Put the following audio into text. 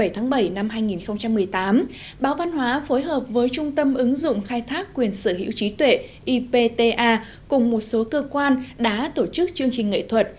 tháng bảy năm hai nghìn một mươi tám báo văn hóa phối hợp với trung tâm ứng dụng khai thác quyền sở hữu trí tuệ ipta cùng một số cơ quan đã tổ chức chương trình nghệ thuật